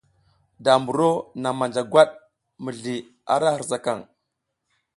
Da mburo naŋ manja gwat mizli ra hirsakaŋ.